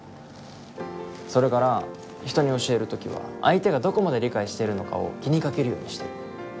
それから人に教える時は相手がどこまで理解しているのかを気にかけるようにしてる。